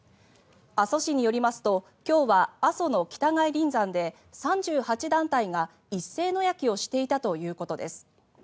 阿蘇市によりますと今日は阿蘇の北外輪山で３８団体が一斉野焼きをしていたということです。